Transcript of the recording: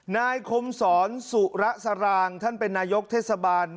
นายคมศรสุระสารางท่านเป็นนายกเทศบาล